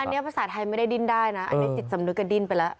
อันนี้ภาษาไทยไม่ได้ดิ้นได้นะอันนี้จิตสำนึกก็ดิ้นไปแล้ว